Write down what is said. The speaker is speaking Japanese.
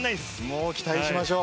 もう期待しましょう。